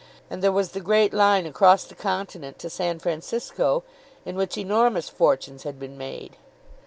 and there was the great line across the continent to San Francisco, in which enormous fortunes had been made.